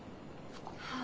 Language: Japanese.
はあ。